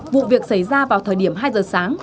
vụ việc xảy ra vào thời điểm hai giờ sáng